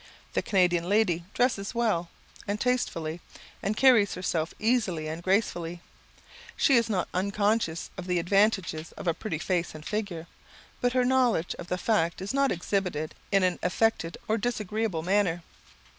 The Canadian lady dresses well and tastefully, and carries herself easily and gracefully. She is not unconscious of the advantages of a pretty face and figure; but her knowledge of the fact is not exhibited in an affected or disagreeable manner.